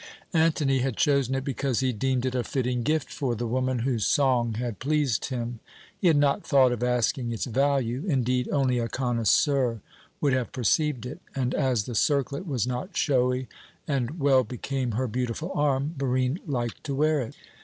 Antony had chosen it because he deemed it a fitting gift for the woman whose song had pleased him. He had not thought of asking its value; indeed, only a connoisseur would have perceived it; and as the circlet was not showy and well became her beautiful arm, Barine liked to wear it.